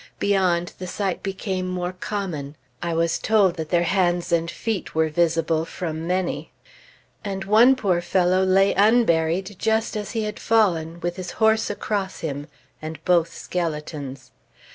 Beyond, the sight became more common. I was told that their hands and feet were visible from many. And one poor fellow lay unburied, just as he had fallen, with his horse across him, and both skeletons.